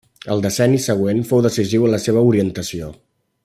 El decenni següent fou decisiu en la seva orientació.